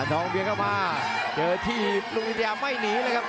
อันน้องเบียนเข้ามาเจอที่ลูกภูยาไม่หนีเลยครับ